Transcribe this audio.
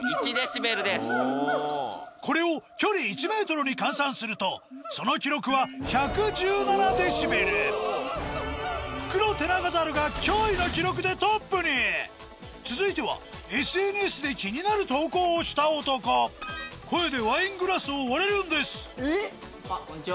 これを距離１ｍに換算するとその記録はフクロテナガザルが驚異の記録でトップに続いてはＳＮＳで気になる投稿をした男こんにちは。